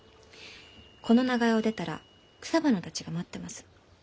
この長屋を出たら草花たちが待ってます。